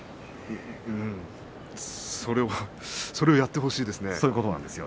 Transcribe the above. それはやってほしいですね。